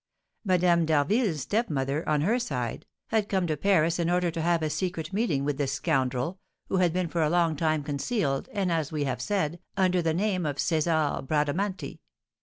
Madame d'Harville's stepmother, on her side, had come to Paris in order to have a secret meeting with this scoundrel, who had been for a long time concealed, as we have said, under the name of César Bradamanti.